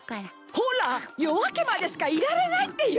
ほら夜明けまでしかいられないってよ！